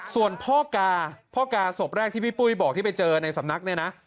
ส่วนพ่อกาพ่อกาศพแรกที่พี่ปุ้ยบอกที่ไปเจอในสำนักเนี่ยนะ